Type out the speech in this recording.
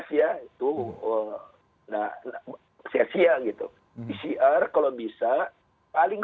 siap siap gitu pcr kalau bisa paling